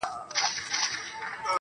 عاشقانه موخو لپاره کارول کیږي